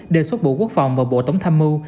đề xuất bộ quốc phòng và bộ tổng tham mưu